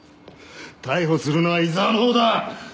逮捕するのは井沢の方だ。